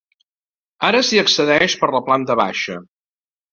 Ara s'hi accedeix per la planta baixa.